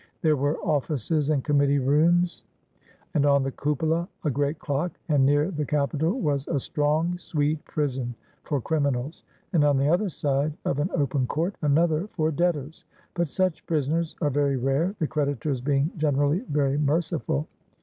There were offices and committee rooms, and on the cupola a great clock, and near the capitol was "a strong, sweet Prison for Criminals; and on the other side of an open Court another for Debtors ... but such Prisoners are very rare, the Creditors being generally very merciful.